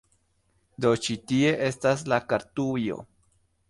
Do ĉi tie estas la kartujo